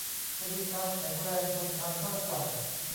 จะมีความแข็งแรงทนทานมากกว่า